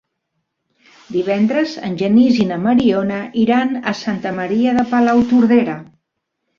Divendres en Genís i na Mariona iran a Santa Maria de Palautordera.